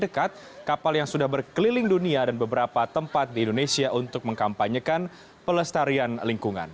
dan beberapa tempat di indonesia untuk mengkampanyekan pelestarian lingkungan